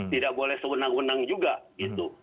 tidak boleh sewenang wenang juga gitu